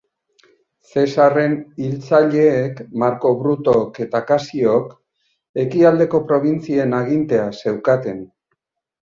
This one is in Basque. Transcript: Zesarren hiltzaileek, Marko Brutok eta Kasiok, ekialdeko probintzien agintea zeukaten.